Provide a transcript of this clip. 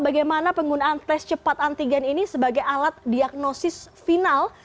bagaimana penggunaan tes cepat antigen ini sebagai alat diagnosis final